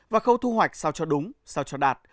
và khâu thu hoạch sao cho đúng sao cho đạt